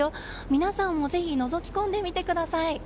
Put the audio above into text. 皆さんもぜひ、のぞき込んでみてください。